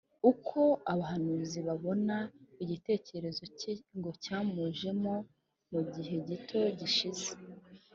Uko abamuzi babona igitekerezo cye ngo cyamujemo mugihe gito gishize